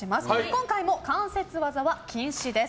今回も関節技は禁止です。